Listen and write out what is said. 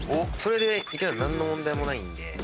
それでいけたら何の問題もないんで。